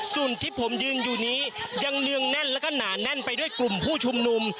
จุดที่ผมยืนอยู่นี้ยังเนืองแน่นแล้วก็หนาแน่นไปด้วยกลุ่มผู้ชุมนุม